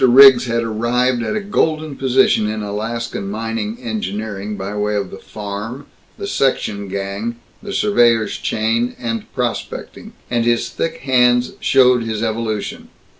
Riggs had arrived at a golden position in Alaskan mining engineering by way of the farm, the section gang, the surveyor's chain, and prospecting; and his thick hands showed his evolution.